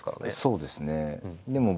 そうですね。